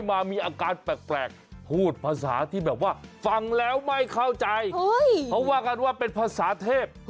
มามีอาการแปลกพูดภาษาที่แบบว่าฟังแล้วไม่เข้าใจเขาว่ากันว่าเป็นภาษาเทพ